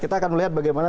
kita akan melihat bagaimana